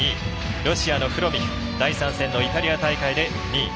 ロシアのフロミフ第３戦のイタリア大会で２位。